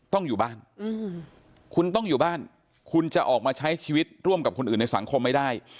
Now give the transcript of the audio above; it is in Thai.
ต้องอยู่บ้านคุณต้องอยู่บ้านคุณจะออกมาใช้ชีวิตร่วมกับคนอื่นในสังคมไม่ได้